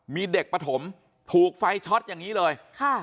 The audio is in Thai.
มีเด็กประถมถูกไฟช็อตอย่างงี้เลยค่ะ